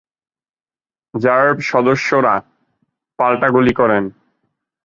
RAB সদস্যরাও পাল্টা গুলি করেন।